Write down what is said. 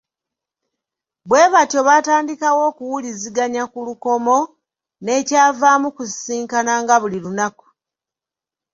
Bwe batyo baatandikawo okuwuliziganya ku lukomo nekyavaamu kusisinkananga buli lunaku.